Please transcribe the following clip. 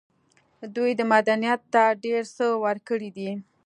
دوی مدنيت ته ډېر څه ورکړي دي.